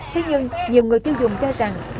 thế nhưng nhiều người tiêu dùng cho rằng nếu gà được đảm bảo